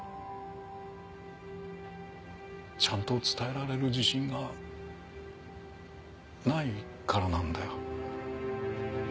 ちゃんと伝えられる自信がないからなんだよ。